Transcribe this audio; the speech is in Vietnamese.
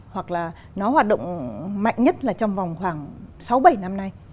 hoặc là nó hoạt động mạnh nhất là trong vòng khoảng sáu bảy năm nay